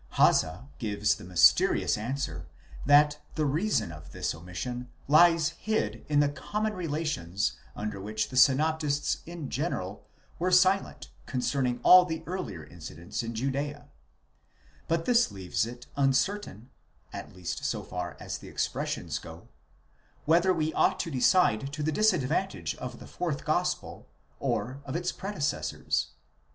Hase gives the mysterious answer, that. the reason of this omission lies hid in the common relations under which the synoptists in general were silent concerning all the earlier incidents in Judzea ; but this leaves it uncertain, at least so far as the expressions go, whether we ought to decide to the disadvantage of the fourth gospel or of its predecessors.